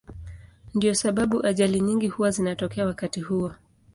Ndiyo sababu ajali nyingi huwa zinatokea wakati huo.